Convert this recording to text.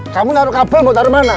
kamu naruh kabel mau taruh mana